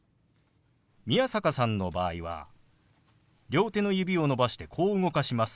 宮坂さんの場合は両手の指を伸ばしてこう動かします。